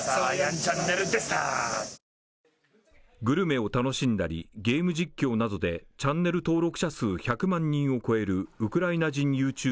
グルメを楽しんだり、ゲーム実況などでチャンネル登録者数１００万人を超えるウクライナ人ＹｏｕＴｕｂｅｒ